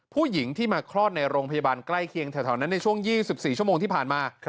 ผู้หญิงที่มาคลอดในโรงพยาบาลใกล้เคียงแถวนั้นในช่วง๒๔ชั่วโมงที่ผ่านมา